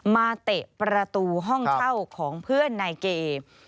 เตะประตูห้องเช่าของเพื่อนนายเก